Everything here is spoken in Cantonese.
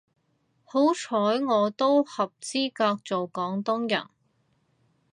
好彩我都合資格做廣東人